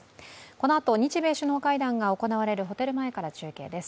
このあと日米首脳会談が行われるホテル前から中継です。